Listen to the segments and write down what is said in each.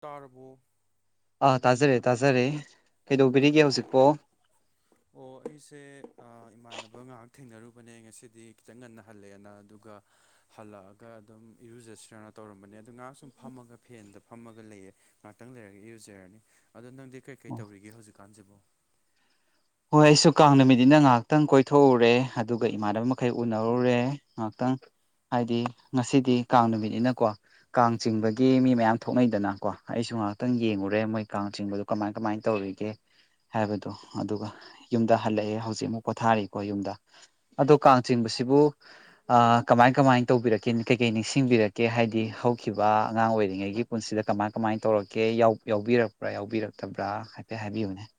ꯇꯔꯕꯣ ꯑꯥ ꯇꯥꯖꯔꯦ ꯇꯥꯖꯔꯦ ꯀꯩꯗꯧꯕꯤꯔꯤꯒꯦ ꯍꯧꯖꯤꯛꯄꯣ ꯑꯣ ꯑꯩꯁꯦ ꯑꯥ ꯏꯃꯥꯟꯅꯕ ꯉꯍꯥꯛ ꯊꯦꯡꯅꯔꯨꯕꯅꯦ ꯉꯁꯤꯗꯤ ꯈꯤꯇꯪ ꯉꯟꯅ ꯍꯜꯂꯦꯅ ꯑꯗꯨꯒ ꯍꯜꯂꯛꯑꯒ ꯑꯗꯨꯝ ꯏꯔꯨꯖꯁꯤꯔꯅ ꯇꯧꯔꯝꯕꯅꯦ ꯑꯗꯨ ꯉꯥꯍꯥꯛ ꯁꯨꯝ ꯐꯝꯃꯒ ꯐꯦꯟꯗ ꯐꯝꯃꯒ ꯂꯩꯌꯦ ꯉꯥꯇꯪ ꯂꯩꯔꯒ ꯏꯔꯨꯖꯔꯅꯤ ꯑꯗꯣ ꯅꯪꯗꯤ ꯀꯩꯀꯩ ꯑꯣ ꯇꯧꯔꯤꯒꯦ ꯍꯧꯖꯤꯛꯀꯥꯟꯖꯤꯕꯨ ꯍꯣ ꯑꯩꯁꯨ ꯀꯥꯡ ꯅꯨꯃꯤꯠꯅꯤꯅ ꯉꯥꯏꯍꯥꯛꯇꯪ ꯀꯣꯏꯊꯣꯛꯎꯔꯦ ꯑꯗꯨꯒꯥ ꯏꯃꯥꯟꯅꯕ ꯃꯈꯩ ꯎꯅꯔꯨꯔꯦ ꯉꯥꯏꯍꯥꯛꯇꯪ ꯍꯥꯏꯗꯤ ꯉꯁꯤꯗꯤ ꯀꯥꯡ ꯅꯨꯃꯤꯠꯅꯤꯅꯀꯣ ꯀꯥꯡ ꯆꯤꯡꯕꯒꯤ ꯃꯤ ꯃꯌꯥꯝ ꯊꯣꯛꯅꯩꯗꯅꯀꯣ ꯑꯩꯁꯨ ꯉꯥꯏꯍꯥꯛꯇꯪ ꯌꯦꯡꯉꯨꯔꯦ ꯃꯣꯏ ꯀꯥꯡ ꯆꯤꯡꯕꯗꯣ ꯀꯃꯥꯏ ꯀꯃꯥꯏ ꯇꯧꯔꯤꯒꯦ ꯍꯥꯏꯕꯗꯣ ꯑꯗꯨꯒꯥ ꯌꯨꯝꯗ ꯍꯜꯂꯛꯑꯦ ꯍꯧꯖꯤꯛ ꯑꯃꯨꯛ ꯄꯣꯊꯥꯔꯤꯀꯣ ꯌꯨꯝꯗ ꯑꯗꯣ ꯀꯥꯡ ꯆꯤꯡꯕꯁꯤꯕꯨ ꯑꯥ ꯀꯃꯥꯏ ꯀꯃꯥꯏ ꯇꯧꯕꯤꯔꯛꯀꯦ ꯀꯩ ꯀꯩ ꯅꯤꯡꯁꯤꯡꯕꯤꯔꯛꯀꯦ ꯍꯥꯏꯗꯤ ꯍꯧꯈꯤꯕ ꯑꯉꯥꯡ ꯑꯣꯏꯔꯤꯉꯩꯒꯤ ꯄꯨꯟꯁꯤꯗꯥ ꯀꯃꯥꯏ ꯀꯃꯥꯏ ꯇꯧꯔꯛꯀꯦ ꯌꯥꯎ ꯌꯥꯎꯕꯤꯔꯛꯄ꯭ꯔꯥ ꯌꯥꯎꯕꯤꯔꯛꯇꯕ꯭ꯔꯥ ꯍꯥꯏꯐꯦꯠ ꯍꯥꯏꯕꯤꯌꯨꯅꯦ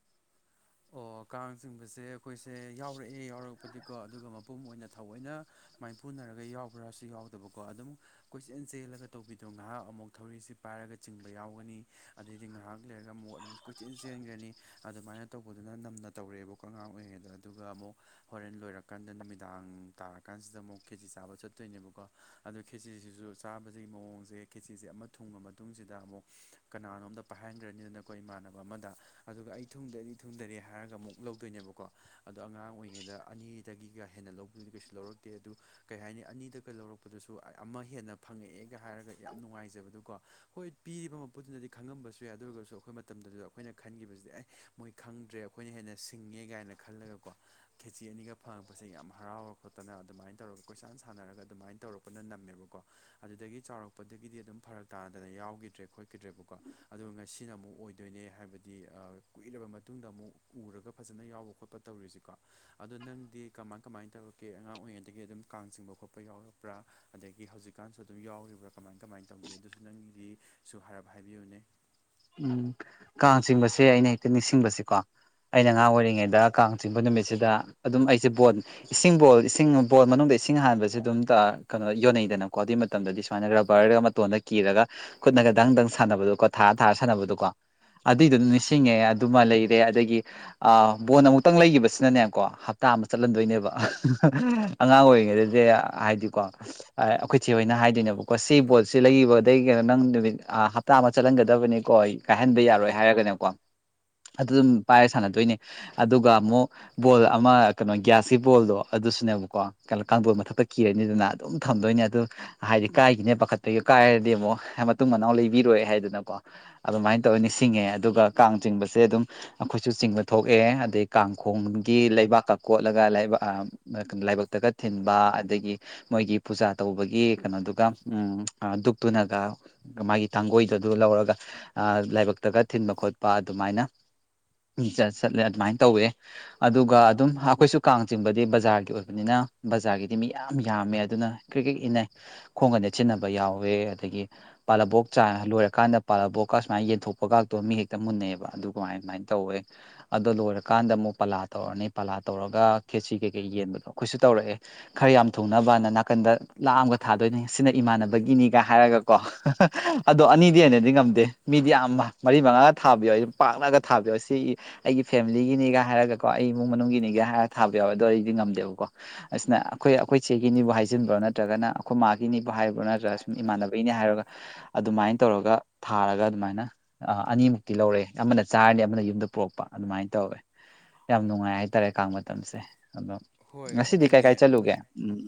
ꯑꯣ ꯀꯥꯡ ꯆꯤꯡꯕꯁꯦ ꯑꯩꯈꯣꯏꯁꯦ ꯌꯥꯎꯔꯛꯑꯦ ꯌꯥꯎꯔꯛꯄꯗꯤꯀꯣ ꯑꯗꯨꯒꯥ ꯃꯄꯨꯝ ꯑꯣꯏꯅ ꯊꯑꯣꯏꯅ ꯃꯥꯏꯄꯨꯅꯔꯒꯥ ꯌꯥꯎꯕ꯭ꯔꯥꯁꯨ ꯌꯥꯎꯗꯕꯀꯣ ꯑꯗꯨꯝ ꯀꯣꯏꯆꯦꯟ ꯆꯦꯜꯂꯒꯥ ꯇꯧꯕꯤꯗꯣ ꯉꯥꯏꯍꯥꯛ ꯑꯃꯨꯛ ꯊꯧꯔꯤꯁꯤ ꯄꯥꯏꯔꯒꯥ ꯆꯤꯡꯕ ꯌꯥꯎꯒꯥꯅꯤ ꯑꯗꯩꯗꯤ ꯉꯥꯏꯍꯥꯛ ꯂꯩꯔꯒ ꯑꯃꯨꯛ ꯑꯗꯨꯝ ꯀꯣꯏꯆꯤꯟ ꯆꯦꯟꯒ꯭ꯔꯥꯅꯤ ꯑꯗꯨꯃꯥꯏꯅ ꯇꯧꯕꯗꯨꯅ ꯅꯝꯅ ꯇꯧꯔꯛꯑꯦꯕꯀꯣ ꯑꯉꯥꯡ ꯑꯣꯏꯔꯤꯉꯩꯗ ꯑꯗꯨꯒꯥ ꯑꯃꯨꯛ ꯍꯣꯔꯦꯟ ꯂꯣꯏꯔꯀꯥꯟꯗ ꯅꯨꯃꯤꯗꯥꯡ ꯇꯥꯔ ꯀꯥꯟꯁꯤꯗ ꯑꯃꯨꯛ ꯈꯦꯆꯤ ꯆꯥꯕ ꯆꯠꯇꯣꯏꯅꯦꯕꯀꯣ ꯑꯗꯣ ꯈꯦꯆꯁꯤꯁꯨ ꯆꯥꯕꯖꯤꯒꯤ ꯃꯑꯣꯡꯖꯦ ꯈꯦꯆꯤꯁꯦ ꯑꯃ ꯊꯨꯡꯉ ꯃꯇꯨꯡꯁꯤꯗ ꯑꯃꯨꯛ ꯀꯅꯥꯅꯣꯝꯗ ꯄꯥꯏꯍꯟꯒ꯭ꯔꯥꯅꯤꯗꯅꯀꯣ ꯏꯃꯥꯟꯅꯕ ꯑꯃꯗ ꯑꯗꯨꯒꯥ ꯑꯩ ꯊꯨꯡꯗꯥꯔꯤ ꯊꯨꯡꯗꯥꯔꯦ ꯍꯥꯏꯔꯒꯥ ꯑꯃꯨꯛ ꯂꯧꯗꯣꯏꯅꯦꯕꯀꯣ ꯑꯗꯣ ꯑꯉꯥꯡ ꯑꯣꯏꯔꯤꯉꯩꯗ ꯑꯅꯤꯗꯒꯤꯒꯥ ꯍꯦꯟꯅ ꯂꯧ [unintelligible] ꯀꯩꯁꯨ ꯂꯧꯔꯣꯏ ꯇꯦ ꯑꯗꯨ ꯀꯩ ꯍꯥꯏꯅꯤ ꯑꯅꯤꯗꯒꯥ ꯂꯧꯔꯛꯄꯗꯨꯁꯨ ꯑꯃ ꯍꯦꯟꯅ ꯐꯪꯉꯛꯑꯦꯒꯥ ꯍꯥꯏꯔꯒ ꯌꯥꯝ ꯅꯨꯡꯉꯥꯏꯖꯕꯗꯨꯀꯣ ꯍꯣꯏ ꯄꯤꯔꯤꯕ ꯃꯄꯨꯗꯨꯅꯗꯤ ꯈꯪꯉꯝꯕꯁꯨ ꯌꯥꯏ ꯑꯗꯨ ꯑꯣꯏꯔꯒꯥꯁꯨ ꯑꯩꯈꯣꯏ ꯃꯇꯝꯗꯗꯨ ꯑꯈꯣꯏ ꯈꯟꯈꯤꯕꯖꯤꯗꯤ ꯑꯦ ꯃꯣꯏ ꯈꯪꯗ꯭ꯔꯦ ꯑꯩꯈꯣꯏꯅ ꯍꯦꯟꯅ ꯁꯤꯡꯉꯦ ꯒꯥꯏꯅ ꯈꯜꯂꯒꯥꯀꯣ ꯈꯦꯆꯤ ꯑꯅꯤꯒꯥ ꯐꯪꯉꯛꯄꯁꯦ ꯌꯥꯝ ꯍꯔꯥꯎꯔꯥ ꯈꯣꯠꯇꯅ ꯑꯗꯨꯃꯥꯏꯅ ꯇꯧꯔꯒ ꯀꯣꯏꯁꯥꯟ ꯁꯥꯟꯅꯔꯒꯥ ꯑꯗꯨꯃꯥꯏꯅ ꯇꯧꯔꯛꯄꯅ ꯅꯝꯃꯦꯕꯀꯣ ꯑꯗꯨꯗꯒꯤ ꯆꯥꯎꯔꯛꯄꯗꯒꯤꯗꯤ ꯑꯗꯨꯝ ꯐꯔꯛ ꯇꯥꯗꯅ ꯌꯥꯎꯒꯤꯗ꯭ꯔꯦ ꯑꯈꯣꯏ ꯀꯤꯗ꯭ꯔꯦꯕꯀꯣ ꯑꯗꯣ ꯉꯁꯤꯅ ꯑꯃꯨꯛ ꯑꯣꯏꯗꯣꯏꯅꯦ ꯍꯥꯏꯕꯗꯤ ꯑꯥ ꯀꯨꯏꯔꯕ ꯃꯇꯨꯡꯗ ꯑꯃꯨꯛ ꯎꯔꯒꯥ ꯐꯖꯅ ꯌꯥꯎꯕ ꯈꯣꯠꯄ ꯇꯧꯔꯤꯁꯤꯀꯣ ꯑꯗꯣ ꯅꯪꯗꯤ ꯀꯃꯥꯏ ꯀꯃꯥꯏ ꯇꯧ ꯀꯦ ꯑꯉꯥꯡ ꯑꯣꯏꯔꯤꯉꯩꯗꯒꯤ ꯑꯗꯨꯝ ꯀꯥꯡ ꯆꯤꯡꯕ ꯈꯣꯠꯄ ꯌꯥꯎꯔꯛꯄ꯭ꯔꯥ ꯑꯗꯒꯤ ꯍꯧꯖꯤꯛꯀꯥꯟꯁꯨ ꯑꯗꯨꯝ ꯌꯥꯎꯔꯤꯕ꯭꯭ꯔꯥ ꯀꯃꯥꯏꯟ ꯀꯃꯥꯏꯟ ꯇꯧꯒꯦ ꯑꯗꯨꯁꯨ ꯅꯪꯒꯤꯗꯤ ꯁꯨ ꯍꯥꯏꯔꯞ ꯍꯥꯏꯕꯤꯌꯨꯅꯦ ꯎꯝ ꯀꯥꯡ ꯆꯤꯡꯕꯁꯦ ꯑꯩꯅ ꯍꯦꯛꯇꯥ ꯅꯤꯡꯁꯤꯡꯕꯁꯦꯀꯣ ꯑꯩꯅ ꯑꯉꯥꯡ ꯑꯣꯏꯔꯤꯉꯩꯗ ꯀꯥꯡ ꯆꯤꯡꯕ ꯅꯨꯃꯤꯠꯁꯤꯗ ꯑꯗꯨꯝ ꯑꯩꯖꯦ ꯕꯣꯜ ꯏꯁꯤꯡ ꯕꯣꯜ ꯏꯁꯤꯡ ꯕꯣꯜ ꯃꯅꯨꯡꯗ ꯏꯁꯤꯡ ꯍꯥꯟꯕꯖꯦ ꯑꯗꯨꯝ ꯀꯩꯅꯣ ꯌꯣꯟꯅꯩꯗꯅꯀꯣ ꯑꯗꯨꯏ ꯃꯇꯝꯗꯗꯤ ꯁꯨꯃꯥꯏꯅ ꯔꯕꯔ ꯑꯃ ꯇꯣꯟꯗ ꯀꯤꯔꯒꯥ ꯈꯨꯠꯅꯒ ꯗꯪ ꯗꯪ ꯁꯥꯟꯅꯕꯗꯣꯀꯣ ꯊꯥꯔ ꯊꯥꯔ ꯁꯥꯟꯅꯕꯗꯣꯀꯣ ꯑꯗꯨꯏꯗꯨ ꯅꯤꯡꯁꯤꯡꯉꯦ ꯑꯗꯨꯃꯥ ꯂꯩꯔꯦ ꯑꯗꯒꯤ ꯑꯥ ꯕꯣꯟ ꯑꯃꯨꯛꯇꯪ ꯂꯩꯒꯤꯕꯁꯤꯅꯅꯦꯀꯣ ꯍꯞꯇꯥ ꯑꯃ ꯆꯠꯍꯜꯟꯗꯣꯏꯅꯦꯕ ꯑꯉꯥꯡ ꯑꯣꯏꯔꯤꯉꯩꯗꯗꯤ ꯍꯥꯏꯗꯤꯀꯣ ꯑꯥꯏ ꯑꯩꯈꯣꯏ ꯆꯦ ꯍꯣꯏꯅ ꯍꯥꯏꯗꯣꯏꯅꯦꯕꯀꯣ ꯁꯤ ꯕꯣꯜꯁꯦ ꯂꯩꯒꯤꯕꯗꯒꯤ ꯀꯩꯅꯣ ꯅꯪ ꯅꯨꯃꯤꯠ ꯑꯥ ꯍꯞꯇꯥ ꯑꯃ ꯆꯠꯍꯟꯒ ꯗꯕꯅꯤꯀꯣ ꯑꯩ ꯀꯥꯏꯍꯟꯕ ꯌꯥꯔꯣꯏ ꯍꯥꯏꯔꯒꯥꯅꯦꯀꯣ ꯑꯗꯨ ꯑꯗꯨꯝ ꯄꯥꯏꯔ ꯁꯥꯟꯅꯗꯣꯏꯅꯤ ꯑꯗꯨꯒ ꯑꯃꯨꯛ ꯕꯣꯜ ꯑꯃ ꯀꯩꯅꯣ ꯒ꯭ꯌꯥꯁꯀꯤ ꯕꯣꯜꯗꯣ ꯑꯗꯨꯁꯨꯅꯦꯕꯀꯣ ꯀꯩꯅꯣ ꯀꯥꯡꯗꯣꯜ ꯃꯊꯛꯇꯥ ꯀꯤꯔꯅꯤꯗꯅ ꯑꯗꯨꯝ ꯊꯝꯗꯣꯏꯅꯦ ꯑꯗꯨ ꯍꯥꯏꯗꯤ ꯀꯥꯏꯒꯤꯅꯦ ꯄꯥꯈꯠꯄꯒꯤ ꯀꯥꯏꯔꯗꯤ ꯑꯃꯨꯛ ꯃꯇꯨꯡ ꯃꯅꯥꯎ ꯂꯩꯕꯤꯔꯣꯏ ꯍꯥꯏꯗꯅꯀꯣ ꯑꯗꯨꯃꯥꯏꯟ ꯇꯧꯔ ꯅꯤꯡꯁꯤꯡꯉꯦ ꯑꯗꯨꯒꯥ ꯀꯥꯡ ꯆꯤꯡꯕꯁꯦ ꯑꯗꯨꯝ ꯑꯈꯣꯏꯁꯨ ꯆꯤꯡꯕ ꯊꯣꯛꯑꯦ ꯑꯗꯩ ꯀꯥꯡꯈꯣꯡꯒꯤ ꯂꯩꯕꯥꯛꯀꯥ ꯀꯣꯠꯂꯒ ꯂꯩꯕꯥ ꯑꯥ [unintelligible] ꯂꯥꯏꯕꯛꯇꯥꯒ ꯊꯤꯟꯕ ꯑꯗꯒꯤ ꯃꯣꯏꯒꯤ ꯄꯨꯖꯥ ꯇꯧꯕꯒꯤ ꯀꯥꯅꯣꯗꯨꯒꯥ ꯎꯝ ꯑꯥ ꯗꯨꯛꯇꯨꯅꯒꯥ ꯃꯥꯒꯤ ꯇꯥꯡꯒꯣꯏꯗꯨ ꯑꯗꯨ ꯂꯧꯔꯒꯥ ꯑꯥ ꯂꯥꯏꯕꯛꯇꯥꯒ ꯊꯤꯟꯕ ꯈꯣꯠꯄ ꯑꯗꯨꯃꯥꯏꯅ [unintelligible] ꯆꯠ ꯆꯠꯂꯦ ꯑꯗꯨꯃꯥꯏꯟ ꯇꯧꯋꯦ ꯑꯗꯨꯒꯥ ꯑꯗꯨꯝ ꯍꯥꯈꯣꯏꯁꯨ ꯀꯥꯡ ꯆꯤꯡꯕꯗꯤ ꯕꯖꯥꯔꯒꯤ ꯑꯣꯏꯕꯅꯤꯅ ꯕꯖꯥꯔꯒꯤꯗꯤ ꯃꯤ ꯌꯥꯝ ꯌꯥꯝꯃꯦ ꯑꯗꯨꯅ ꯀ꯭ꯔꯤꯛ ꯀ꯭ꯔꯤꯛ ꯏꯅꯩ ꯈꯣꯡꯒ ꯅꯦꯠꯁꯤꯟꯅꯕ ꯌꯥꯎꯋꯦ ꯑꯗꯒꯤ ꯄꯥꯜꯂꯥꯕꯣꯛ ꯆꯥ ꯂꯣꯏꯔꯀꯥꯟꯗ ꯄꯥꯜꯂꯕꯣꯛꯀ ꯁꯨꯃꯥꯏ ꯌꯦꯟꯊꯣꯛꯄꯒꯥꯇꯣ ꯃꯤ ꯍꯦꯛꯇ ꯃꯨꯟꯅꯩꯕ ꯑꯗꯨ ꯀꯃꯥꯏ ꯑꯗꯨꯃꯥꯏꯅ ꯇꯧꯋꯦ ꯑꯗꯣ ꯂꯣꯏꯔꯀꯥꯟꯗ ꯑꯃꯨꯛ ꯄꯥꯂꯥ ꯇꯧꯔꯅꯤ ꯄꯥꯂꯥ ꯇꯧꯔꯒ ꯈꯦꯠꯆꯤ ꯀꯩꯀꯩ ꯌꯦꯟꯕꯗꯣ ꯑꯩꯈꯣꯏꯁꯨ ꯇꯧꯔꯛꯑꯦ ꯈꯔ ꯌꯥꯝ ꯊꯨꯡꯅꯕꯅ ꯅꯥꯀꯟꯗ ꯂꯥ ꯑꯃꯒ ꯊꯥꯗꯣꯏꯅꯤ ꯁꯤꯅ ꯏꯃꯥꯟꯅꯕꯒꯤꯅꯤꯒ ꯍꯥꯏꯔꯒ ꯀꯣ ꯑꯗꯣ ꯑꯅꯤꯗꯤ ꯍꯦꯟꯅꯗꯤ ꯉꯝ ꯗꯦ ꯃꯤꯗꯤ ꯌꯥꯝ ꯃꯔꯤ ꯃꯉꯥꯒ ꯊꯥꯕ ꯌꯥꯎꯋꯦ ꯄꯥꯛꯅꯒ ꯊꯥꯕ ꯌꯥꯎꯋꯦ ꯁꯤꯒꯤ ꯑꯩꯒꯤ ꯐꯦꯃꯤꯂꯤꯒꯤꯅꯤꯒ ꯍꯥꯏꯔꯒꯀꯣ ꯑꯩ ꯏꯃꯨꯡ ꯃꯅꯨꯡꯒꯤꯅꯤꯒ ꯍꯥꯏꯔꯒ ꯊꯥꯕ ꯌꯥꯎꯋꯦ ꯑꯗꯣ ꯑꯩꯗꯤ ꯉꯝꯗꯦꯕꯀꯣ ꯑꯁꯤꯅ ꯑꯩꯈꯣꯏ ꯑꯩꯈꯣꯏ ꯆꯦꯒꯤꯅꯤꯕꯨ ꯍꯥꯏꯖꯤꯟꯕ꯭ꯔꯣ ꯅꯠꯇ꯭ꯔꯒꯅ ꯑꯩꯈꯣꯏ ꯃꯥꯒꯤꯅꯤꯕꯨ ꯍꯥꯏꯕ꯭ꯔꯥ ꯅꯠꯇ꯭ꯔꯒ ꯁꯨꯝ ꯍꯥꯏꯕ꯭ꯔꯥ ꯏꯃꯥꯟꯅꯕꯒꯤꯅꯤ ꯍꯥꯏꯔꯒ ꯏꯃꯥꯟꯅꯕ ꯑꯗꯨꯃꯥꯏꯅ ꯇꯧꯔꯒ ꯊꯥꯔꯒ ꯑꯗꯨꯃꯥꯏꯅ ꯑꯥ ꯑꯅꯤꯃꯨꯛꯇꯤ ꯂꯧꯔꯦ ꯑꯃꯅ ꯆꯥꯔꯅꯤ ꯑꯃꯅ ꯌꯨꯝꯗ ꯄꯨꯔꯛꯄ ꯑꯗꯨꯃꯥꯏꯅ ꯇꯧꯋꯦ ꯌꯥꯝ ꯅꯨꯡꯉꯥꯏ ꯍꯥꯏꯇꯥꯔꯦ ꯀꯥꯡ ꯃꯇꯝꯁꯦ ꯑꯗꯣ ꯍꯣꯏ ꯉꯁꯤꯗꯤ ꯀꯥꯏ ꯑꯗꯨꯅꯦ ꯀꯥꯏ ꯑꯅꯤ ꯆꯠꯂꯨꯒꯦ ꯎꯝ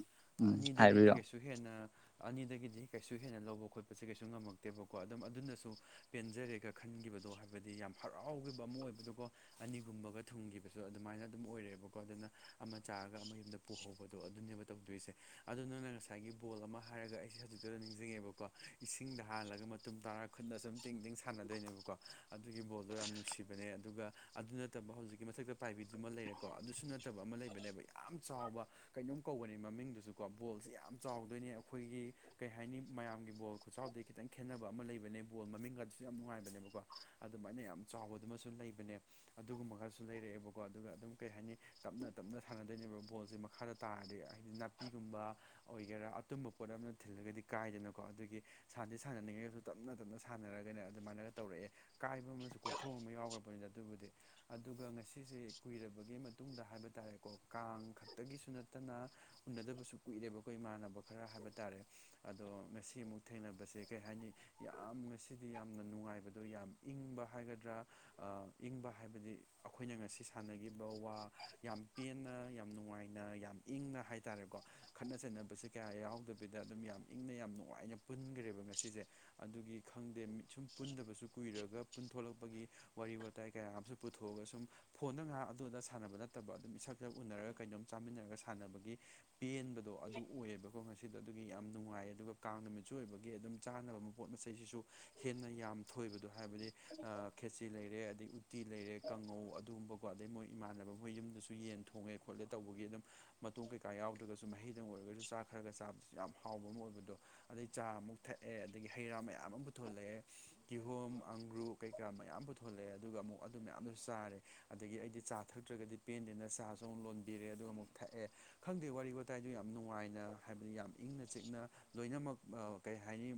ꯎꯝ ꯑꯅꯤꯗꯒꯤꯗꯤ ꯍꯥꯏꯕꯤꯔꯣ ꯀꯩꯁꯨ ꯍꯦꯟꯅ ꯑꯅꯤꯗꯒꯤꯗꯤ ꯀꯩꯁꯨ ꯍꯦꯟꯅ ꯂꯧꯕ ꯈꯣꯠꯄꯁꯦ ꯀꯩꯁꯨ ꯉꯝꯃꯛꯇꯦꯕꯀꯣ ꯑꯗꯨꯝ ꯑꯗꯨꯅꯁꯨ ꯄꯦꯟꯖꯔꯦꯒ ꯈꯟꯒꯤꯕꯗꯣ ꯍꯥꯏꯕꯗꯤ ꯌꯥꯝ ꯍꯔꯥꯎꯒꯤꯕ ꯑꯃ ꯑꯣꯏꯕꯗꯨ ꯀꯣ ꯑꯅꯤꯒꯨꯝꯕꯒ ꯊꯨꯡꯒꯤꯕꯁꯨ ꯑꯗꯨꯃꯥꯏꯅ ꯑꯗꯨꯝ ꯑꯣꯏꯔꯦꯕꯀꯣ ꯑꯗꯨꯅ ꯑꯃ ꯆꯥꯔꯒ ꯑꯃ ꯌꯨꯝꯗ ꯄꯨꯍꯧꯕꯗꯣ ꯑꯗꯨꯅꯦꯕ ꯇꯧꯗꯣꯏꯁꯦ ꯑꯗꯨ ꯅꯪꯅ ꯉꯁꯥꯏꯒꯤ ꯕꯣꯜ ꯑꯃ ꯍꯥꯏꯔꯒ ꯑꯩꯁꯦ ꯍꯧꯖꯤꯛ ꯑꯗꯨꯗ ꯅꯤꯡꯖꯤꯡꯉꯦꯕꯀꯣ ꯏꯁꯤꯡꯗ ꯍꯥꯜꯂꯒ ꯃꯇꯨꯡ ꯇꯥꯔꯒ ꯈꯨꯠꯅ ꯁꯨꯝ ꯇꯤꯡ ꯇꯤꯡ ꯁꯥꯟꯅꯗꯣꯏꯅꯦꯕꯀꯣ ꯑꯗꯨꯒꯤ ꯕꯣꯜꯗꯣ ꯌꯥꯝ ꯅꯨꯡꯁꯤꯕꯅꯦ ꯑꯗꯨꯒ ꯑꯗꯨ ꯅꯠꯇꯕ ꯍꯧꯖꯤꯛꯀꯤ ꯃꯊꯛꯇ ꯄꯥꯏꯕꯤꯗꯨꯃ ꯂꯩꯔꯦꯀꯣ ꯑꯗꯨꯁꯨ ꯅꯠꯇꯕ ꯑꯃ ꯂꯩ ꯍꯥꯏꯕꯅꯦꯕ ꯌꯥꯝ ꯆꯥꯎꯕ ꯀꯩꯅꯣꯝ ꯀꯧꯕꯅꯦ ꯃꯃꯤꯡꯗꯨꯁꯨꯀꯣ ꯕꯣꯜꯁꯦ ꯌꯥꯝ ꯆꯥꯎꯗꯣꯏꯅꯦ ꯑꯩꯈꯣꯏꯒꯤ ꯀꯩ ꯍꯥꯏꯅꯤ ꯃꯌꯥꯝꯒꯤ ꯕꯣꯜ ꯈꯨꯆꯥꯎꯗꯒꯤ ꯈꯤꯇꯪ ꯈꯦꯠꯅꯕ ꯑꯃ ꯂꯩꯕꯅꯦ ꯕꯣꯜ ꯃꯃꯤꯡꯒꯗꯨꯁꯨ ꯌꯥꯝ ꯅꯨꯡꯉꯥꯏꯕꯅꯦꯕꯀꯣ ꯑꯗꯨꯃꯥꯏꯅ ꯌꯥꯝ ꯆꯥꯎꯕꯗꯨꯃꯁꯨ ꯂꯩꯕꯅꯦ ꯑꯗꯨꯒꯨꯝꯕꯒꯁꯨ ꯂꯩꯔꯛꯑꯦꯕꯀꯣ ꯑꯗꯨꯒ ꯑꯗꯨꯝ ꯀꯩ ꯍꯥꯏꯅꯤ ꯇꯞꯅ ꯇꯞꯅ ꯁꯥꯟꯅꯗꯣꯏꯅꯦꯕ ꯕꯣꯜꯁꯦ ꯃꯈꯥꯗ ꯇꯥꯔꯗꯤ ꯍꯥꯏꯗꯤ ꯅꯥꯄꯤꯒꯨꯝꯕ ꯑꯣꯏꯒꯦꯔꯥ ꯑꯇꯨꯝꯕ ꯄꯣꯠ ꯑꯃꯅ ꯊꯤꯜꯂꯒꯗꯤ ꯀꯥꯏꯗꯅꯀꯣ ꯑꯗꯨꯒꯤ ꯁꯥꯟꯅꯗꯤ ꯁꯥꯟꯅꯅꯤꯡꯉꯒꯁꯨ ꯇꯞꯅ ꯇꯞꯅ ꯁꯥꯟꯅꯔꯒꯅꯦ ꯑꯗꯨꯃꯥꯏꯅꯒ ꯇꯧꯔꯛꯑꯦ ꯀꯥꯏꯕ ꯑꯃꯁꯨ ꯀꯣꯛꯊꯣꯡ ꯑꯃ ꯌꯥꯎꯈ꯭ꯔꯕꯅꯤꯗ ꯑꯗꯨꯕꯨꯗꯤ ꯑꯗꯨꯒ ꯉꯁꯤꯁꯦ ꯀꯨꯏꯔꯕꯒꯤ ꯃꯇꯨꯡꯗ ꯍꯥꯏꯕ ꯍꯥꯏ ꯇꯥꯔꯦꯀꯣ ꯀꯥꯡ ꯈꯛꯇꯒꯤꯁꯨ ꯅꯠꯇꯅ ꯎꯅꯗꯕꯁꯨ ꯀꯨꯏꯔꯦꯕ ꯀꯣ ꯏꯃꯥꯟꯅꯕ ꯈꯔ ꯍꯥꯏꯕ ꯇꯥꯔꯦ ꯑꯗꯣ ꯉꯁꯤ ꯑꯃꯨꯛ ꯊꯦꯡꯅꯕꯁꯦ ꯀꯩ ꯍꯥꯏꯅꯤ ꯌꯥꯝ ꯉꯁꯤꯗꯤ ꯌꯥꯝꯅ ꯅꯨꯡꯉꯥꯏꯕꯗꯣ ꯌꯥꯝ ꯏꯪꯕ ꯍꯥꯏꯒꯗ꯭ꯔꯥ ꯑꯥ ꯏꯪꯕ ꯍꯥꯏꯕꯗꯤ ꯑꯩꯈꯣꯏꯅ ꯉꯁꯤ ꯁꯥꯟꯅꯈꯤꯕ ꯋꯥ ꯌꯥꯝ ꯄꯦꯟꯅ ꯌꯥꯝ ꯅꯨꯡꯉꯥꯏꯅ ꯌꯥꯝ ꯏꯪꯅ ꯍꯥꯏꯇꯥꯔꯦꯀꯣ ꯈꯠꯅ ꯆꯩꯅꯕꯁꯦ ꯀꯌꯥ ꯌꯥꯎꯗꯕꯤꯗ ꯑꯗꯨꯝ ꯌꯥꯝ ꯏꯪꯅ ꯌꯥꯝ ꯅꯨꯡꯉꯥꯏꯅ ꯄꯨꯟꯒ꯭ꯔꯦꯕ ꯉꯁꯤꯁꯦ ꯑꯗꯨꯒꯤ ꯈꯪꯗꯦ ꯃꯤ ꯁꯨꯝ ꯄꯨꯟꯗꯕꯁꯨ ꯀꯨꯏꯔꯒ ꯄꯨꯟꯊꯣꯂꯛꯄꯒꯤ ꯋꯥꯔꯤ ꯋꯥ ꯇꯥꯏ ꯀꯌꯥ ꯑꯃꯁꯨ ꯄꯨꯊꯣꯛꯑꯒ ꯁꯨꯝ ꯐꯣꯟꯗ ꯉꯥꯏꯍꯥꯛ ꯑꯗꯨ ꯑꯗꯥ ꯁꯥꯟꯅꯕ ꯅꯠꯇꯕ ꯑꯗꯨꯝ ꯏꯁ ꯁꯛ ꯁꯛ ꯎꯅꯔꯒ ꯀꯩꯅꯣꯝ ꯆꯥꯃꯤꯟꯅꯔꯒ ꯁꯥꯟꯅꯕꯒꯤ ꯄꯦꯟꯕꯗꯣ ꯑꯗꯨ ꯑꯣꯏꯌꯦꯕ ꯀꯣ ꯉꯁꯤꯗꯣ ꯑꯗꯨꯒꯤ ꯌꯥꯝ ꯅꯨꯡꯉꯥꯏꯌꯦ ꯑꯗꯨꯒ ꯀꯥꯡ ꯅꯨꯃꯤꯠꯁꯨꯨ ꯑꯣꯏꯕꯒꯤ ꯑꯗꯨꯝ ꯆꯥꯅꯕ ꯃꯄꯣꯠ ꯃꯆꯩꯁꯤꯁꯨ ꯍꯦꯟꯅ ꯌꯥꯝ ꯊꯣꯏꯕꯗꯣ ꯍꯥꯏꯕꯗꯤ ꯑꯥ ꯈꯦꯆꯤ ꯂꯩꯔꯦ ꯑꯗꯩ ꯎꯇꯤ ꯂꯩꯔꯦ ꯀꯥꯡꯉꯧ ꯑꯗꯨꯒꯨꯝꯕ ꯀꯣ ꯑꯗꯩ ꯃꯣꯏ ꯏꯃꯥꯟꯅꯕ ꯃꯣꯏ ꯌꯨꯝꯗꯁꯨ ꯌꯦꯟ ꯊꯣꯡꯉꯦ ꯈꯣꯠꯂꯦ ꯇꯧꯕꯒꯤ ꯑꯗꯨꯝ ꯃꯇꯣꯡ ꯀꯩꯀꯥ ꯌꯥꯎꯗ꯭ꯔꯒꯁꯨ ꯃꯍꯤꯗꯪ ꯑꯣꯏꯔꯒꯁꯨ ꯆꯥꯛ ꯈꯔꯒ ꯆꯥꯕꯁꯨ ꯌꯥꯝ ꯍꯥꯎꯕ ꯑꯃ ꯑꯣꯏꯕꯗꯣ ꯑꯗꯩ ꯆꯥ ꯑꯃꯨꯛ ꯊꯛꯑꯦ ꯑꯗꯒꯤ ꯍꯩꯔꯥ ꯃꯌꯥꯝ ꯑꯃ ꯄꯨꯊꯣꯂꯦ ꯀꯤꯍꯣꯝ ꯑꯪꯒ꯭ꯔꯨ ꯀꯩꯀꯥ ꯃꯌꯥꯝ ꯄꯨꯊꯣꯂꯦ ꯑꯗꯨꯒ ꯑꯃꯨꯛ ꯑꯗꯨ ꯃꯌꯥꯝꯗꯨꯁꯨ ꯆꯥꯔꯦ ꯑꯗꯒꯤ ꯑꯩꯗꯤ ꯆꯥ ꯊꯛꯇ꯭ꯔꯒꯗꯤ ꯄꯦꯟꯗꯦꯅ ꯆꯥꯁꯨ ꯑꯃꯨꯛ ꯂꯣꯟꯕꯤꯔꯦ ꯑꯗꯨꯒ ꯑꯃꯨꯛ ꯊꯛꯑꯦ ꯈꯪꯗꯦ ꯋꯥꯔꯤ ꯋꯥꯇꯥꯏꯗꯨ ꯌꯥꯝ ꯅꯨꯡꯉꯥꯏꯅ ꯍꯥꯏꯕꯗꯤ ꯌꯥꯝ ꯏꯪꯅ ꯆꯤꯛꯅ ꯂꯣꯏꯅꯃꯛ ꯑꯥ ꯀꯩ ꯍꯥꯏꯅꯤ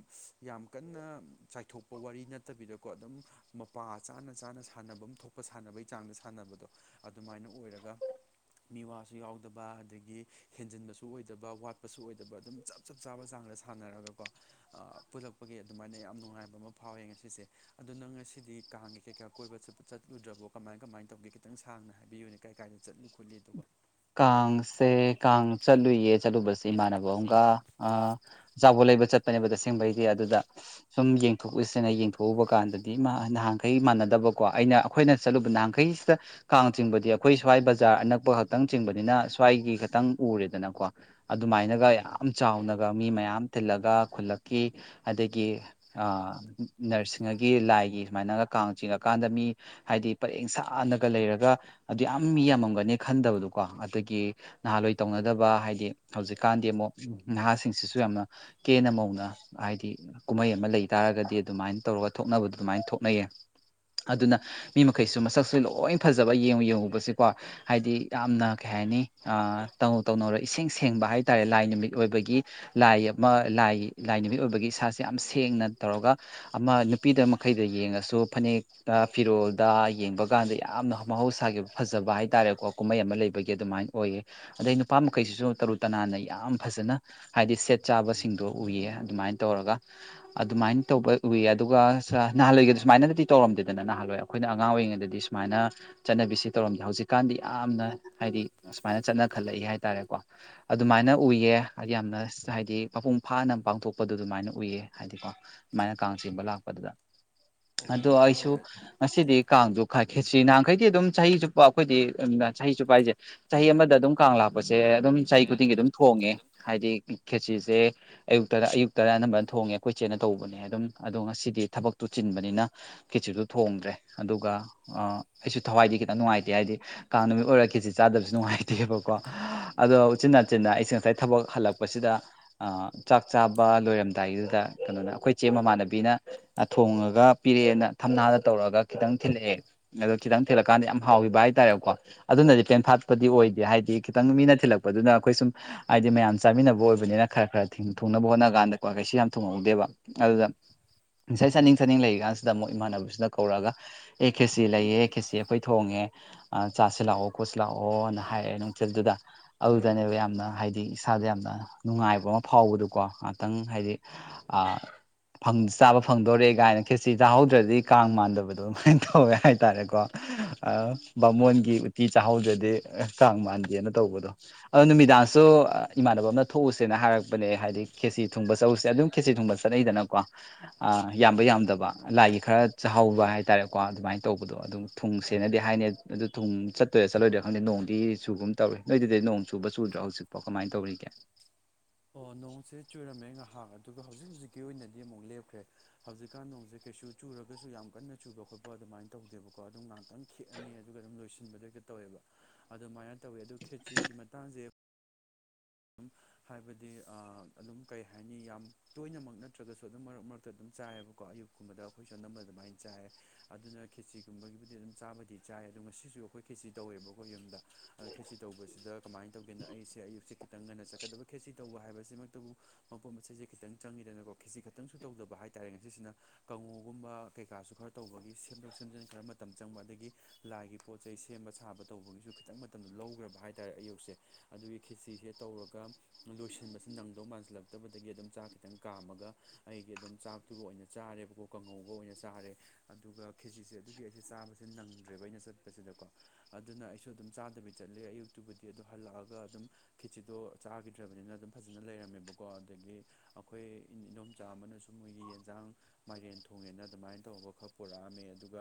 ꯌꯥꯝ ꯀꯟꯅ ꯆꯥꯏꯊꯣꯛꯄ ꯋꯥꯔꯤ ꯅꯠꯇꯕꯤꯗꯀꯣ ꯑꯗꯨꯝ ꯃꯄꯥ ꯆꯥꯅ ꯆꯥꯅ ꯁꯥꯟꯅꯕꯝ ꯊꯣꯛꯄ ꯁꯥꯟꯅꯕꯩ ꯆꯥꯡꯗ ꯁꯥꯟꯅꯕꯗꯣ ꯑꯗꯨꯃꯥꯏꯅ ꯑꯣꯏꯔꯒ ꯃꯤꯋꯥꯁꯨ ꯌꯥꯎꯗꯕ ꯑꯗꯒꯤ ꯍꯦꯟꯖꯟꯕꯁꯨ ꯑꯣꯏꯗꯕ ꯋꯥꯠꯄꯁꯨ ꯑꯣꯏꯗꯕ ꯑꯗꯨꯝ ꯆꯞ ꯆꯞ ꯆꯥꯕ ꯆꯥꯡꯗ ꯁꯥꯟꯅꯔꯒꯀꯣ ꯑ ꯄꯨꯜꯂꯛꯄꯒꯤ ꯑꯗꯨꯃꯥꯏꯅ ꯌꯥꯝ ꯅꯨꯡꯉꯥꯏꯕ ꯑꯃ ꯐꯥꯎꯋꯦ ꯉꯁꯤꯁꯦ ꯑꯗꯣ ꯅꯪ ꯉꯁꯤꯗꯤ ꯀꯥꯡꯒꯤ ꯀꯩꯀꯥ ꯀꯣꯏꯕ ꯆꯠꯂꯨꯗ꯭ꯔꯕꯣ ꯀꯃꯥꯏ ꯀꯃꯥꯏ ꯇꯧꯒꯦ ꯈꯤꯇꯪ ꯁꯥꯡꯅ ꯍꯥꯏꯕꯤꯌꯨꯅꯦ ꯀꯩ ꯀꯥꯢꯗ ꯆꯠꯂꯨ ꯈꯣꯠꯂꯤ ꯑꯗꯨꯒ ꯀꯥꯡꯁꯦ ꯀꯥꯡ ꯆꯠꯂꯨꯏꯌꯦ ꯆꯠꯂꯨꯕꯁꯦ ꯏꯃꯥꯟꯅꯕ ꯆꯠꯂꯨꯕꯁꯤ ꯑꯝꯒ ꯑ ꯀꯥ ꯆꯥꯎꯕꯣꯠ ꯂꯩꯕ ꯆꯠꯄꯅꯦꯕ ꯇꯁꯦꯡꯕꯩꯗꯤ ꯑꯗꯨꯗ ꯁꯨꯝ ꯌꯦꯡꯊꯣꯛꯎꯁꯦꯅ ꯌꯦꯡꯊꯣꯛꯎꯕ ꯀꯥꯟꯗꯗꯤ ꯃꯥ ꯅꯍꯥꯟꯈꯩ ꯃꯥꯟꯅꯗꯕꯀꯣ ꯑꯩꯅ ꯑꯈꯣꯏꯅ ꯆꯠꯂꯨꯕ ꯅꯍꯥꯟꯈꯩꯁꯤꯗ ꯀꯥꯡ ꯆꯤꯡꯕꯗꯤ ꯑꯩꯈꯣꯏ ꯁ꯭ꯋꯥꯏ ꯕꯖꯥꯔ ꯑꯅꯛꯄ ꯈꯛꯇꯪ ꯆꯤꯡꯕꯅꯤꯅ ꯁ꯭ꯋꯥꯏꯒꯤ ꯈꯇꯪ ꯎꯔꯦꯗꯅꯀꯣ ꯑꯗꯨꯃꯥꯏꯅꯒ ꯌꯥꯝ ꯆꯥꯎꯅꯒ ꯃꯤ ꯃꯌꯥꯝ ꯇꯤꯜꯂꯒ ꯈꯨꯜꯂꯛꯀꯤ ꯑꯗꯒꯤ ꯑ ꯅꯔꯁꯤꯡꯍꯒꯤ ꯂꯥꯏꯒꯤ ꯁꯨꯃꯥꯏꯅꯒ ꯀꯥꯡ ꯆꯤꯡꯉꯀꯥꯟꯗ ꯃꯤ ꯍꯥꯏꯗꯤ ꯄꯔꯦꯡꯁꯥꯅꯒ ꯂꯩꯔꯒ ꯑꯗꯨꯌꯥꯝ ꯃꯤ ꯌꯥꯝꯃꯝꯒꯅꯤ ꯈꯟꯗꯕꯗꯨꯀꯣ ꯑꯗꯒꯤ ꯅꯍꯥꯥꯟꯂꯣꯏ ꯇꯧꯅꯗꯕ ꯍꯥꯏꯗꯤ ꯍꯧꯖꯤꯛꯀꯥꯟꯗꯤ ꯑꯃꯨꯛ ꯅꯍꯥꯁꯤꯡꯁꯤꯁꯨ ꯌꯥꯝꯅ ꯀꯦꯅ ꯃꯧꯅ ꯍꯥꯏꯗꯤ ꯀꯨꯝꯍꯩ ꯑꯃ ꯂꯩ ꯇꯥꯔꯒꯗꯤ ꯑꯗꯨꯃꯥꯏ ꯇꯧꯔꯒ ꯊꯣꯛꯅꯕꯗꯨ ꯑꯗꯨꯃꯥꯏ ꯊꯣꯛꯅꯩꯌꯦ ꯑꯗꯨꯅ ꯃꯤ ꯃꯈꯩꯁꯨ ꯃꯁꯛꯁꯨ ꯂꯣꯏ ꯐꯖꯕ ꯌꯦꯡꯉꯨ ꯌꯦꯡꯉꯨꯕꯁꯤ ꯀꯣ ꯍꯥꯏꯗꯤ ꯌꯥꯝꯅ ꯀꯩ ꯍꯥꯏꯅꯤ ꯑ ꯇꯧ ꯇꯧꯅꯧꯔ ꯏꯁꯦꯡ ꯁꯦꯡꯕ ꯍꯥꯏ ꯇꯥꯔꯦ ꯂꯥꯏ ꯅꯨꯃꯤꯠ ꯑꯣꯏꯕꯒꯤ ꯂꯥꯏ ꯑꯃ ꯂꯥꯏ ꯂꯥꯏꯅꯨꯃꯤꯠ ꯑꯣꯏꯕꯒꯤ ꯏꯁꯥꯁꯦ ꯌꯥꯝ ꯁꯦꯡꯅ ꯇꯧꯔꯒ ꯑꯃ ꯅꯨꯄꯤꯗ ꯃꯈꯩꯗ ꯌꯦꯡꯉꯁꯨ ꯐꯅꯦꯛ ꯇ ꯐꯤꯔꯣꯜꯗ ꯌꯦꯡꯕ ꯀꯥꯟꯗ ꯌꯥꯝꯅ ꯃꯍꯧꯁꯥꯒꯤ ꯐꯖꯕ ꯍꯥꯏꯇꯥꯔꯦꯀꯣ ꯀꯨꯝꯍꯩ ꯑꯃ ꯂꯩꯕꯒꯤ ꯑꯗꯨꯃꯥꯏ ꯑꯣꯏꯌꯦ ꯑꯗꯩ ꯅꯨꯄꯥ ꯃꯈꯩꯁꯤꯁꯨ ꯇꯔꯨ ꯇꯅꯥꯟꯅ ꯌꯥꯝ ꯐꯖꯅ ꯍꯥꯏꯗꯤ ꯁꯦꯠ ꯆꯥꯕꯁꯤꯡꯗꯣ ꯎꯏꯌꯦ ꯑꯗꯨꯃꯥꯏ ꯇꯧꯔꯒ ꯑꯗꯨꯃꯥꯏꯅ ꯇꯧꯕ ꯎꯏꯌꯦ ꯑꯗꯨꯒ ꯅꯍꯥꯟꯂꯣꯏꯒꯤꯁꯨ ꯁꯨꯃꯥꯏꯅꯗꯤ ꯇꯧꯔꯝꯗꯦꯗꯅ ꯅꯍꯥꯟꯂꯣꯏ ꯈꯣꯏꯅ ꯑꯉꯥꯡ ꯑꯣꯏꯔꯤꯉꯩꯗꯗꯤ ꯁꯨꯃꯥꯏꯅ ꯆꯠꯅꯕꯤꯁꯤ ꯇꯧꯔꯝꯗꯦ ꯍꯧꯖꯤꯛꯀꯥꯟꯗꯤ ꯌꯥꯝꯅ ꯍꯥꯏꯗꯤ ꯑꯁꯨꯃꯥꯏꯅ ꯆꯠꯅꯈꯠꯂꯛꯏ ꯍꯥꯏꯇꯥꯔꯦꯀꯣ ꯑꯗꯨꯃꯥꯏꯅ ꯎꯏꯌꯦ ꯍꯥꯢꯗꯤ ꯌꯥꯝꯅ ꯍꯥꯏꯗꯤ ꯃꯄꯨꯡ ꯐꯥꯅ ꯄꯥꯡꯊꯣꯛꯄꯗꯣ ꯑꯗꯨꯃꯥꯏꯅ ꯎꯏꯌꯦ ꯍꯥꯏꯗꯤꯀꯣ ꯁꯨꯃꯥꯏꯅ ꯀꯥꯡ ꯆꯤꯡꯕ ꯂꯥꯛꯄꯗꯨꯗ ꯑꯗꯣ ꯑꯣ ꯑꯩꯁꯨ ꯍꯣꯏ ꯉꯁꯤꯗꯤ ꯀꯥꯡꯁꯨ ꯈꯥꯏ ꯈꯦꯠ꯭ꯆꯔꯤ ꯅꯍꯥꯟꯈꯩꯗꯤ ꯑꯗꯨꯝ ꯆꯍꯤꯆꯨꯞ ꯄ ꯑꯩꯈꯣꯏꯗꯤ ꯆꯍꯤꯆꯨꯞꯄꯥ ꯍꯥꯢꯖꯦ ꯆꯍꯤ ꯑꯃꯗ ꯑꯗꯨꯝ ꯀꯥꯡ ꯂꯥꯛ ꯄꯁꯦ ꯑꯗꯨꯝ ꯆꯍꯤ ꯈꯨꯗꯤꯡꯒꯤ ꯑꯗꯨꯝ ꯊꯣꯡꯉꯦ ꯑꯗꯨꯝ ꯍꯥꯏꯗꯤ ꯈꯦꯠꯆꯤꯁꯦ ꯑꯌꯨꯛꯇ ꯑꯌꯨꯛ ꯇꯔꯥ ꯑꯅꯝꯕꯅ ꯊꯣꯡꯉꯦ ꯑꯩꯈꯣꯏꯆꯦꯅ ꯇꯧꯕꯅꯦ ꯑꯗꯨꯝ ꯑꯗꯣ ꯉꯁꯤꯗꯤ ꯊꯕꯛꯇꯨ ꯆꯤꯟꯕꯅꯤꯅ ꯀꯤꯠꯆ꯭ꯔꯤꯗꯨ ꯊꯣꯡꯗ꯭ꯔꯦ ꯑꯗꯨꯒ ꯑꯩꯁꯨ ꯊꯋꯥꯏꯗꯤ ꯈꯤꯇꯪ ꯅꯨꯡꯉꯥꯏꯇꯦ ꯍꯥꯏꯗꯤ ꯀꯥꯡ ꯅꯨꯃꯤꯠ ꯑꯣꯏꯔ ꯈꯦꯆꯤ ꯆꯥꯗꯕꯁꯦ ꯅꯨꯡꯉꯥꯏꯇꯦꯕꯀꯣ ꯑꯗꯣ ꯎꯆꯤꯟ ꯅꯥꯆꯤꯟꯅ ꯑꯩꯁꯦ ꯉꯁꯥꯏ ꯊꯕꯛ ꯍꯜꯂꯛꯄꯁꯤꯗ ꯑ ꯆꯥꯛ ꯆꯥꯕ ꯂꯣꯏꯔꯝꯗꯥꯏꯒꯤꯗꯨꯗ ꯀꯩꯅꯣꯅ ꯑꯩꯈꯣꯏ ꯆꯦ ꯃꯃꯥꯟꯅꯕꯤꯅ ꯑ ꯊꯣꯡꯉꯒ ꯄꯤꯔꯛꯑꯦꯅ ꯊꯝꯅꯥꯗ ꯇꯧꯔꯑꯒ ꯈꯤꯇꯪ ꯊꯤꯜꯂꯛꯑꯦ ꯑꯗꯣ ꯈꯤꯇꯪ ꯊꯤꯜꯂꯛꯀꯥꯟꯗ ꯌꯥꯝ ꯍꯥꯎꯈꯤꯕ ꯍꯥꯏꯇꯥꯔꯦꯀꯣ ꯑꯗꯨꯅꯗꯤ ꯄꯦꯟꯐꯥꯠꯄꯗꯤ ꯑꯣꯏꯗꯦ ꯍꯥꯏꯗꯤ ꯈꯤꯇꯪ ꯃꯤꯅ ꯊꯤꯜꯂꯛꯄꯗꯨꯅ ꯑꯩꯈꯣꯏ ꯁꯨꯝ ꯍꯥꯏꯗꯤ ꯃꯌꯥꯝ ꯆꯥꯃꯤꯟꯅꯕ ꯑꯣꯏꯕꯅꯤꯅ ꯈꯔ ꯈꯔ ꯊꯨꯡꯅꯕ ꯍꯣꯠꯅ ꯀꯥꯟꯗ ꯀ꯭ꯋꯥ ꯀꯩꯁꯨ ꯌꯥꯝ ꯊꯣꯡꯍꯧꯗꯦꯕ ꯑꯗꯨꯗ ꯉꯁꯥꯏ ꯆꯥꯅꯤꯡ ꯆꯥꯅꯤꯡ ꯂꯩꯔꯤ ꯉꯥꯏꯁꯤꯗ ꯑꯃꯨꯛ ꯏꯃꯥꯟꯅꯕꯁꯤꯅ ꯀꯧꯔꯛꯑꯒ ꯑꯦ ꯈꯦꯆꯤ ꯂꯩꯌꯦ ꯑꯦ ꯈꯦꯆꯤ ꯑꯩꯈꯣꯏ ꯊꯣꯡꯉꯦ ꯑ ꯆꯥꯁꯤ ꯂꯥꯛꯑꯣ ꯀꯣꯠꯁꯤ ꯂꯥꯛꯑꯣꯅ ꯍꯥꯏꯔꯛꯑꯦ ꯅꯨꯡꯆꯤꯜꯗꯨꯗ ꯑꯗꯨꯗꯅꯦꯕ ꯌꯥꯝꯅ ꯍꯥꯏꯗꯤ ꯏꯁꯥꯖꯦ ꯌꯥꯝꯅ ꯅꯨꯡꯉꯥꯏꯕ ꯑꯃ ꯐꯥꯎꯕꯗꯨꯀꯣ ꯉꯍꯥꯛꯇꯪ ꯍꯥꯏꯗꯤ ꯑꯥ ꯐꯪ ꯆꯥꯕ ꯐꯪꯗꯣꯔꯛꯑꯦ ꯀꯥꯏꯅ ꯈꯦꯠꯆꯤ ꯆꯥꯍꯧꯗ꯭ꯔꯗꯤ ꯀꯥꯡ ꯃꯥꯟꯗꯕꯗꯣ ꯑꯗꯨꯃꯥꯏꯅ ꯇꯧꯋꯦ ꯍꯥꯏꯇꯥꯔꯦꯀꯣ ꯑ ꯕꯥꯃꯣꯟꯒꯤ ꯎꯇꯤ ꯆꯥꯍꯧꯗ꯭ꯔꯗꯤ ꯀꯥꯡ ꯃꯥꯟꯗꯦꯅ ꯇꯧꯕꯗꯣ ꯑꯗꯨ ꯅꯨꯃꯤꯗꯥꯡꯁꯨ ꯏꯃꯥꯟꯅꯕ ꯑꯃꯅ ꯊꯣꯛꯎꯁꯦꯅ ꯍꯥꯏꯔꯛꯄꯅꯦ ꯍꯥꯏꯗꯤ ꯈꯦꯁꯤ ꯊꯨꯡꯕ ꯆꯧꯁꯦ ꯑꯗꯨꯝ ꯈꯦꯆꯤ ꯊꯣꯡꯕ ꯆꯠꯅꯩꯗꯅꯀꯣ ꯑꯥ ꯌꯥꯝꯕ ꯌꯥꯝꯗꯕ ꯂꯥꯏꯒꯤ ꯈꯔ ꯆꯥꯍꯧꯕ ꯍꯥꯏꯇꯥꯔꯦꯀꯣ ꯑꯗꯨꯃꯥꯏꯅ ꯇꯧꯕꯗꯣ ꯑꯗꯨꯝ ꯊꯨꯡꯁꯦ ꯆꯦꯅꯗꯤ ꯍꯥꯏꯅꯦ ꯑꯗꯨ ꯊꯨꯝ ꯆꯠꯇꯣꯏꯔ ꯆꯠꯂꯣꯏꯗ ꯈꯪꯗꯦ ꯅꯣꯡꯗꯤ ꯆꯨꯒꯨꯝ ꯇꯧꯔꯦ ꯅꯣꯏꯗꯨꯗꯤ ꯅꯣꯡ ꯆꯨꯕ ꯆꯨꯗ꯭ꯔꯣ ꯍꯧꯖꯤꯛ ꯄꯥ ꯀꯃꯥꯏ ꯇꯧꯔꯤꯒꯦ ꯑꯣ ꯅꯣꯡꯁꯦ ꯆꯨꯔꯝꯃꯦ ꯉꯥꯍꯥꯛ ꯑꯗꯨꯒ ꯍꯧꯖꯤꯛ ꯍꯧꯖꯤꯛꯀꯤ ꯑꯣꯏꯅꯗꯤ ꯑꯃꯨꯛ ꯂꯦꯞꯈ꯭ꯔꯦ ꯍꯧꯖꯤꯛꯀꯥꯟ ꯅꯣꯡꯁꯦ ꯀꯩꯁꯨ ꯆꯨꯔꯒꯁꯨ ꯌꯥꯝ ꯀꯟꯅ ꯆꯨꯕ ꯈꯣꯠꯄ ꯑꯗꯨꯃꯥꯏꯅ ꯇꯧꯗꯦꯕꯀꯣ ꯑꯗꯨꯝ ꯉ ꯑꯗꯨꯝ ꯈꯤꯛꯑꯅꯤ ꯑꯗꯨꯒ ꯑꯗꯨꯝ ꯂꯣꯏꯁꯤꯟꯕꯗꯩꯒ ꯇꯧꯋꯦꯕ ꯑꯗꯨꯃꯥꯏꯅ ꯇꯧꯋꯦ ꯑꯗꯨ ꯈꯦꯠꯆꯤꯒꯤ ꯃꯇꯥꯡꯁꯦ ꯑꯗꯨꯝ ꯍꯥꯏꯕꯗꯤ ꯑꯥ ꯑꯗꯨꯝ ꯀꯩ ꯍꯥꯏꯅꯤ ꯌꯥꯝ ꯇꯣꯏꯅꯃꯛ ꯅꯠꯇ꯭ꯔꯒꯁꯨ ꯑꯗꯨꯝ ꯃꯔꯛ ꯃꯔꯛꯇ ꯑꯗꯨꯝ ꯆꯥꯏꯑꯕꯀꯣ ꯑꯌꯨꯛ ꯀꯨꯨꯝꯕꯗ ꯑꯩꯈꯣꯏꯁꯨ ꯑꯅꯝꯃ ꯑꯗꯨꯃꯥꯏꯅ ꯆꯥꯏ ꯑꯗꯨꯅ ꯈꯦꯆꯤꯒꯨꯝꯕꯒꯤꯕꯨꯗꯤ ꯑꯗꯨꯝ ꯆꯥꯕꯗꯤ ꯆꯥꯏ ꯑꯗꯨ ꯉꯁꯤꯁꯨ ꯑꯩꯈꯣꯏ ꯈꯦꯆꯤ ꯇꯧꯋꯦꯕꯀꯣ ꯌꯨꯝꯗ ꯑꯗꯣ ꯈꯦꯆꯤ ꯇꯧꯕꯁꯤꯗ ꯀꯃꯥꯏꯟ ꯇꯧꯒꯦꯅ ꯑꯩꯁꯦ ꯑꯌꯨꯛꯁꯦ ꯈꯤꯇꯪ ꯉꯟꯅ ꯆꯠꯀꯗꯕ ꯈꯦꯆꯤ ꯇꯧꯕ ꯍꯥꯏꯕꯁꯤꯃꯛꯇꯕꯨ ꯃꯄꯣꯠ ꯃꯆꯩꯁꯦ ꯈꯤꯇꯪ ꯆꯪꯉꯤꯗꯅꯤꯀꯣ ꯈꯦꯆꯤ ꯈꯇꯪꯁꯨ ꯇꯧꯗꯕ ꯍꯥꯏꯇꯥꯔꯦ ꯉꯁꯤꯁꯤꯅ ꯀꯥꯡꯉꯧꯒꯨꯝꯕ ꯀꯩꯀꯥꯁꯨ ꯈꯔ ꯇꯧꯕꯒꯤ ꯁꯦꯝꯗꯣꯛ ꯁꯦꯝꯖꯤꯟ ꯈꯔ ꯃꯇꯝ ꯆꯪꯕ ꯑꯗꯒꯤ ꯂꯥꯏꯒꯤ ꯄꯣꯠꯆꯩ ꯁꯦꯝꯕ ꯁꯥꯕ ꯇꯧꯕꯒꯤꯁꯨ ꯈꯤꯇꯪ ꯃꯇꯝꯗꯣ ꯂꯧꯒ꯭ꯔꯕ ꯍꯥꯏꯇꯥꯔꯦ ꯑꯌꯨꯛꯁꯦ ꯑꯗꯨꯒꯤ ꯈꯤꯆꯤꯁꯦ ꯇꯧꯔꯒ ꯂꯣꯏꯁꯤꯟꯕꯁꯦ ꯅꯪꯗꯧ ꯃꯥꯟꯁꯤꯜꯂꯛꯇꯕꯗꯒꯤ ꯑꯗꯨꯝ ꯆꯥꯛ ꯈꯤꯇꯪ ꯀꯥꯝꯃꯒ ꯑꯩꯒꯤ ꯑꯗꯨꯝ ꯆꯥꯛꯇꯨꯒ ꯑꯣꯏꯅ ꯆꯥꯔꯦꯕꯀꯣ ꯀꯥꯡꯉꯧꯒ ꯑꯣꯏꯅ ꯆꯥꯔꯦ ꯑꯗꯨꯒ ꯈꯦꯆꯤꯁꯦ ꯑꯗꯨꯒꯤ ꯑꯩꯁꯦ ꯆꯥꯕ ꯁꯦ ꯅꯪꯗ꯭ꯔꯦꯕ ꯑꯩꯅ ꯆꯠꯄꯁꯤꯗꯀꯣ ꯑꯗꯨꯅ ꯑꯩꯁꯨ ꯑꯗꯨꯝ ꯆꯥꯗꯕꯤ ꯆꯠꯂꯦ ꯑꯌꯨꯛꯇꯨꯕꯨꯗꯤ ꯑꯗꯨ ꯍꯜꯂꯛꯑꯒ ꯑꯗꯨꯝ ꯈꯦꯆꯤꯗꯣ ꯆꯥꯒꯤꯗ꯭ꯔꯕꯅꯤꯅ ꯑꯗꯨꯝ ꯐꯖꯅ ꯂꯩꯔꯝꯃꯦꯕꯀꯣ ꯑꯗꯒꯤ ꯑꯈꯣꯏ ꯏꯟ ꯏꯗꯣꯝꯆꯥ ꯑꯃꯅꯁꯨ ꯃꯣꯏꯒꯤ ꯌꯦꯟꯖꯥꯡ ꯃꯥꯏꯔꯦꯟ ꯊꯣꯡꯉꯦꯅ ꯑꯗꯨꯃꯥꯏꯟ ꯇꯧꯕꯔꯒ ꯈꯔ ꯄꯨꯔꯛꯑꯝꯃꯦ ꯑꯗꯨꯒ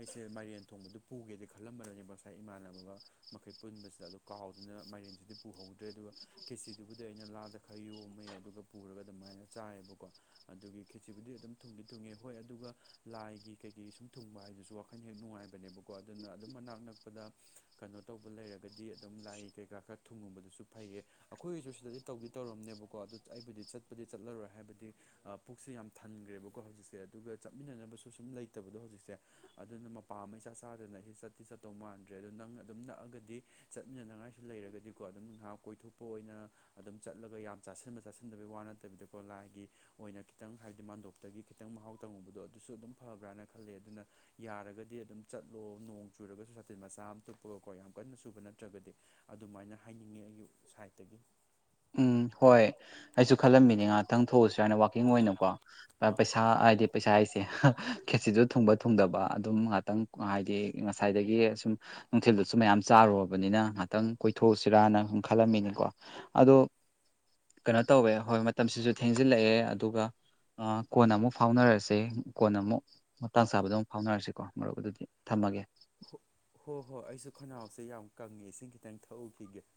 ꯑꯩꯁꯦ ꯃꯥꯏꯔꯦꯟ ꯊꯣꯡꯕꯗꯨ ꯄꯨꯒꯦꯗꯤ ꯈꯜꯂꯝꯕꯅꯦ ꯉꯁꯥꯏ ꯏꯃꯥꯟꯅꯕꯒ ꯃꯈꯩ ꯄꯨꯟꯕꯁꯤꯗ ꯑꯗꯨ ꯀꯥꯎꯗꯨꯅ ꯃꯥꯏꯔꯦꯟꯁꯤꯗꯤ ꯄꯨꯍꯧꯗ꯭ꯔꯦ ꯑꯗꯨꯒ ꯈꯦꯆꯤ ꯗꯨꯕꯨꯗꯤ ꯑꯩꯅ ꯂꯥꯗ ꯈꯔ ꯌꯣꯝꯃꯦ ꯑꯗꯨꯒ ꯄꯨꯔꯒ ꯑꯗꯨꯃꯥꯏꯅ ꯆꯥꯏꯌꯦꯕꯀꯣ ꯑꯗꯨꯒꯤ ꯈꯦꯆꯤꯕꯨꯗꯤ ꯑꯗꯨꯝ ꯊꯨꯡꯗꯤ ꯊꯨꯡꯉꯤ ꯍꯣꯏ ꯑꯗꯨꯒ ꯂꯥꯏꯒꯤ ꯀꯩꯀꯩ ꯁꯨꯝ ꯊꯨꯡꯕ ꯍꯥꯏꯗꯨꯁꯨ ꯋꯥꯈꯜ ꯍꯦꯛ ꯅꯨꯡꯉꯥꯏꯕꯅꯦꯕꯀꯣ ꯑꯗꯨꯅ ꯑꯗꯨꯝ ꯃꯅꯥꯛ ꯅꯛꯄꯗ ꯀꯅꯣ ꯇꯧꯕ ꯂꯩꯔꯒꯗꯤ ꯑꯗꯨꯝ ꯂꯥꯏ ꯀꯩꯀꯥ ꯈꯥ ꯊꯨꯡꯉꯨꯕꯗꯨꯁꯨ ꯐꯩꯌꯦ ꯑꯩꯈꯣꯏꯒꯤꯁꯨ ꯁꯤꯗꯗꯤ ꯇꯧꯗꯤ ꯇꯧꯔꯝꯅꯦꯕꯀꯣ ꯑꯗꯨ ꯑꯩꯕꯨꯗꯤ ꯆꯠꯄꯨꯗꯤ ꯆꯠꯂꯔꯣꯏ ꯍꯥꯏꯕꯗꯤ ꯑꯥ ꯄꯨꯛꯁꯦ ꯌꯥꯝ ꯊꯟꯒ꯭ꯔꯦꯕꯀꯣ ꯍꯧꯖꯤꯛꯁꯦ ꯑꯗꯨꯒ ꯆꯠꯃꯤꯟꯅꯅꯕꯁꯨ ꯁꯨꯝ ꯂꯩꯇꯕꯗꯣ ꯍꯧꯖꯤꯛꯁꯦ ꯑꯗꯨꯅ ꯃꯄꯥ ꯑꯃ ꯏꯆꯥ ꯆꯥꯗꯅ ꯑꯩꯁꯤ ꯆꯠꯇꯤ ꯆꯠꯇꯧ ꯃꯥꯟꯗ꯭ꯔꯦ ꯑꯗꯣ ꯅꯪ ꯑꯗꯨꯝ ꯅꯛꯑꯒꯗꯤ ꯆꯠꯃꯤꯟꯅꯅꯉꯥꯏꯁꯨ ꯂꯩꯔꯒꯗꯤꯀꯣ ꯑꯗꯨꯝ ꯉꯥꯏꯍꯥꯛ ꯀꯣꯏꯊꯣꯛ ꯄꯣ ꯑꯣꯏꯅ ꯑꯗꯨꯝ ꯆꯠꯂꯒ ꯌꯥꯝ ꯆꯥꯁꯤꯟꯕ ꯆꯥꯁꯤꯟꯗꯕꯒꯤ ꯋꯥ ꯅꯠꯇꯕꯤꯗꯀꯣ ꯂꯥꯏꯒꯤ ꯑꯣꯏꯅ ꯈꯤꯇꯪ ꯍꯥꯏꯗꯤ ꯃꯥꯟꯗꯣꯞꯇꯒꯤ ꯈꯤꯇꯪ ꯃꯍꯥꯎ ꯇꯪꯉꯨꯕꯗꯣ ꯑꯗꯨꯁꯨ ꯑꯗꯨꯝ ꯐꯕ꯭ꯔꯥꯅ ꯈꯜꯂꯦ ꯑꯗꯨꯅ ꯌꯥꯔꯒꯗꯤ ꯑꯗꯨꯝ ꯆꯠꯂꯣ ꯅꯣꯡ ꯆꯨꯔꯒꯁꯨ ꯁꯥꯇꯤꯟ ꯃꯆꯥ ꯑꯃ ꯇꯨꯞꯄꯒꯀꯣ ꯌꯥꯝ ꯀꯟꯅ ꯆꯨꯕ ꯅꯠꯇ꯭ꯔꯒꯗꯤ ꯑꯗꯨꯃꯥꯏꯅ ꯍꯥꯏꯅꯤꯡꯉꯦ ꯑꯩꯒꯤ ꯁꯥꯏꯠꯇꯒꯤ ꯎꯝ ꯍꯣꯏ ꯑꯩꯁꯨ ꯈꯜꯂꯝꯃꯤꯅꯦ ꯉꯥꯛꯇꯪ ꯊꯣꯛꯎ ꯁꯤꯔꯅ ꯋꯥꯛꯀꯤꯡ ꯍꯣ ꯑꯣꯏꯅꯀꯣ ꯑꯥ ꯄꯩꯁꯥ ꯍꯥꯏꯗꯤ ꯄꯩꯁꯥ ꯍꯥꯏꯁꯦ ꯍꯥ ꯈꯦꯆꯤꯗꯣ ꯊꯨꯡꯕ ꯊꯨꯡꯗꯕ ꯑꯗꯨꯝ ꯉꯥꯇꯪ ꯍꯥꯏꯗꯤ ꯉꯁꯥꯏꯗꯒꯤ ꯁꯨꯝ ꯅꯨꯡꯊꯤꯜꯗꯁꯨ ꯃꯌꯥꯝ ꯆꯥꯔꯨꯕꯅꯤꯅ ꯉꯥꯇꯪ ꯀꯣꯏꯊꯣꯛꯎꯁꯤꯔꯅ ꯁꯨꯝ ꯈꯜꯂꯝꯃꯤꯅꯤꯀꯣ ꯑꯗꯣ ꯀꯩꯅꯣ ꯇꯧꯋꯦ ꯍꯣꯏ ꯃꯇꯝꯁꯤꯁꯨ ꯊꯦꯡꯖꯤꯜꯂꯛꯑꯦ ꯑꯗꯨꯒ ꯑꯥ ꯀꯣꯟꯅ ꯑꯃꯨꯛ ꯐꯥꯎꯅꯔꯁꯦ ꯀꯣꯟꯅ ꯑꯃꯨꯛ ꯃꯇꯥꯡ ꯆꯥꯕꯗ ꯑꯃꯨꯛ ꯐꯥꯎꯅꯔꯁꯤꯀꯣ ꯃꯔꯨꯞ ꯑꯗꯨꯗꯤ ꯊꯝꯃꯒꯦ ꯍꯨ ꯍꯣ ꯍꯣꯏ ꯑꯩꯁꯨ ꯈꯅꯥꯎꯁꯦ ꯌꯥꯝ ꯀꯪꯉꯦ ꯏꯁꯤꯡ ꯈꯤꯇꯪ ꯊꯛꯎꯈꯤꯒꯦ